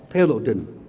theo lộ trình